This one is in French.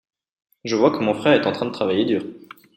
Je vois que mon frère est en train de travailler dur.